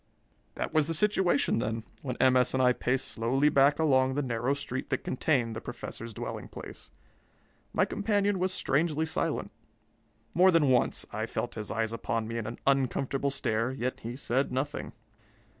That was the situation, then, when M. S. and I paced slowly back along the narrow street that contained the Professor's dwelling place. My companion was strangely silent. More than once I felt his eyes upon me in an uncomfortable stare, yet he said nothing.